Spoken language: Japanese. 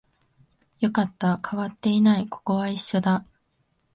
よかった、変わっていない、ここは一緒だ